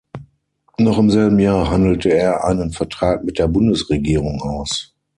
Noch im selben Jahr handelte er einen Vertrag mit der Bundesregierung aus.